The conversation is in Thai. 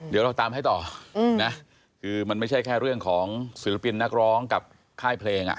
เดี๋ยวเราตามให้ต่อนะคือมันไม่ใช่แค่เรื่องของศิลปินนักร้องกับค่ายเพลง